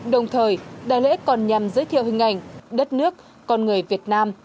đồng thời đại lễ còn nhằm giới thiệu hình ảnh đất nước con người việt nam